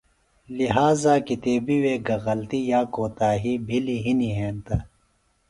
لہٰذا کتیبی وے گہ غلطی یا کوتاہی بھِلی ہِنیۡ ہینتہ،